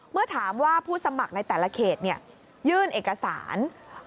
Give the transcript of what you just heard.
เมื่อถามว่าผู้สมัครในแต่ละเขตยื่นเอกสาร